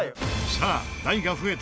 さあ台が増えた